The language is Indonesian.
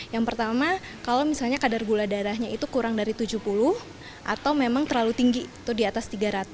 yang pertama kalau misalnya kadar gula darahnya itu kurang dari tujuh puluh atau memang terlalu tinggi itu di atas tiga ratus